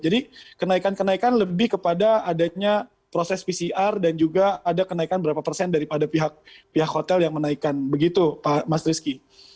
jadi kenaikan kenaikan lebih kepada adanya proses pcr dan juga ada kenaikan berapa persen daripada pihak hotel yang menaikan begitu pak mas rizky